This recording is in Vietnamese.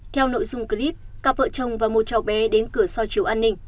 theo nội dung clip cặp vợ chồng và một cháu bé đến cửa so chiếu an ninh